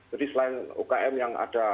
jadi selain umkm yang ada